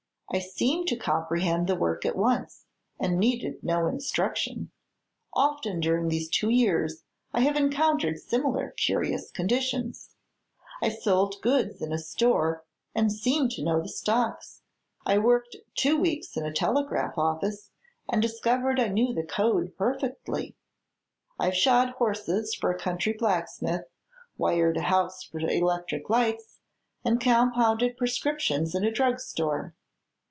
I seemed to comprehend the work at once, and needed no instruction. Often during these two years I have encountered similar curious conditions. I sold goods in a store and seemed to know the stocks; I worked two weeks in a telegraph office and discovered I knew the code perfectly; I've shod horses for a country blacksmith, wired a house for electric lights and compounded prescriptions in a drug store.